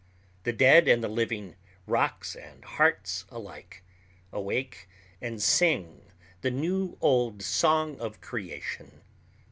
The dead and the living, rocks and hearts alike, awake and sing the new old song of creation.